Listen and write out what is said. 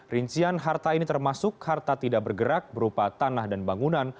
rincian harta ini termasuk harta tidak bergerak berupa tanah dan bangunan